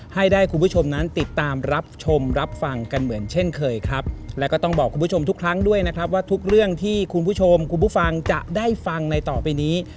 ให้ได้คุณผู้ชมนั้นติดตามรับชมรับฟังกันเหมือนเช่นเคยครับแล้วก็ต้องบอกคุณผู้ชมทุกครั้งด้วยนะครับว่าทุกเรื่องที่คุณผู้ชมคุณผู้ฟังจะได้ฟังในต่อไปนี้